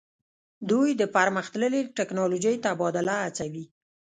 دوی د پرمختللې ټیکنالوژۍ تبادله هڅوي